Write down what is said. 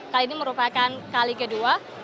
kali ini merupakan kali kedua